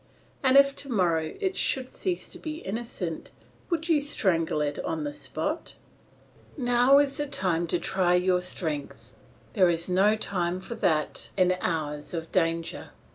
And if to morrow it should cease to be innocent, would you strangle it on the spot? Now is the time to try your strength; there is no time for that in hours of danger.